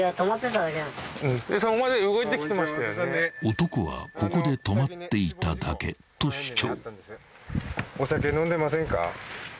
［男は「ここで止まっていただけ」と主張］